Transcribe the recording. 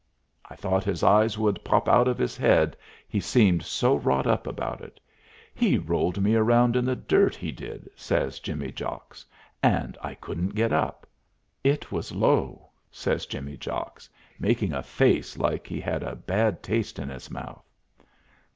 I thought his eyes would pop out of his head, he seemed so wrought up about it. "He rolled me around in the dirt, he did," says Jimmy Jocks, "an' I couldn't get up. It was low," says Jimmy Jocks, making a face like he had a bad taste in his mouth.